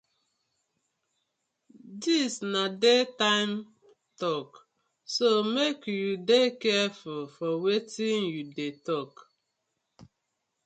Dis na daylight tok so mek yu dey carfull for wetin yu dey tok.